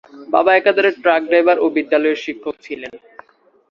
বাবা একাধারে truck driver ও বিদ্যালয়ের শিক্ষক ছিলেন।